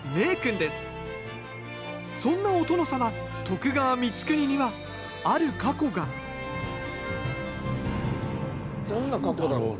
そんなお殿様徳川光圀にはある過去がどんな過去だろう。